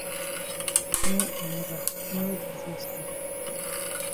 Me and Ngwa no di fes tok.